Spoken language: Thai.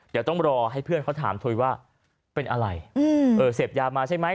เดี๋ยวต้องรอให้เพื่อนเขาถามถุยว่าเป็นอะไรเสพยามาใช่ไหม